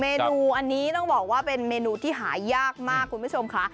เมนูอันนี้ต้องบอกว่าเป็นเมนูที่หายากมาก